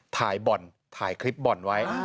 ถ่ายบ่อนถ่ายคลิปบ่อนไว้